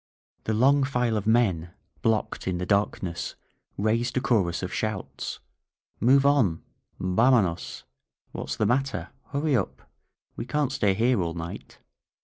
The long file of men, blocked in the darkness, raised a chorus of shouts: "Move on! Vamonosl What's the matter? Hurry up! We can't stay here all night